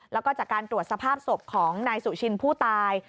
แล้วก็จากการตรวจสภาพศพของนายสุชินผู้ตาย